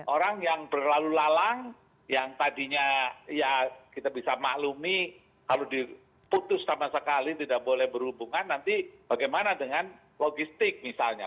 orang yang berlalu lalang yang tadinya ya kita bisa maklumi kalau diputus sama sekali tidak boleh berhubungan nanti bagaimana dengan logistik misalnya